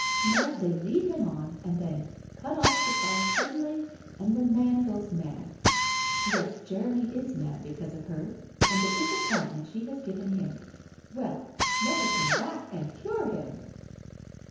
No, they lead him on, and then cut off supplies suddenly, and the man goes mad. Yes, Jeremy is mad because of her, and the disappointment she has given him. Well, let her come hack and cure him